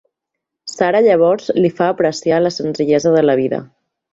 Sara llavors li fa apreciar la senzillesa de la vida.